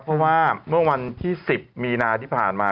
เพราะว่าเมื่อวันที่๑๐มีนาที่ผ่านมา